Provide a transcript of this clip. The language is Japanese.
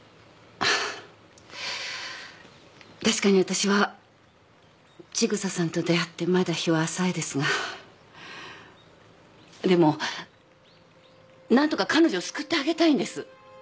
確かに私は千草さんと出会ってまだ日は浅いですがでも何とか彼女を救ってあげたいんです。